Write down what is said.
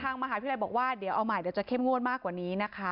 ทางมหาวิทยาลัยบอกว่าเดี๋ยวเอาใหม่จะเข้มงวดมากกว่านี้